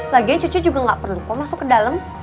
lagian cucu juga gak perlu kok masuk kedalem